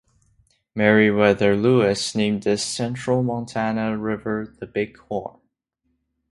Meriwether Lewis named this central Montana river the Bighorn.